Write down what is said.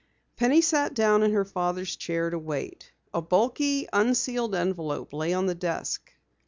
Penny sat down in her father's chair to wait. A bulky, unsealed envelope lay on the desk.